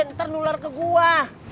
ntar nular ke gua